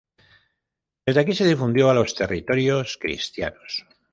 Desde aquí se difundió a los territorios cristianos.